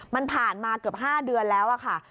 มันผ่านมาเกือบ๕เดือนแล้วค่ะ